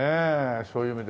そういう意味で。